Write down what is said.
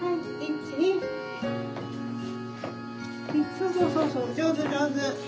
そうそうそうそう上手上手。